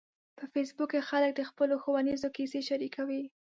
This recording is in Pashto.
په فېسبوک کې خلک د خپلو ښوونیزو کیسو شریکوي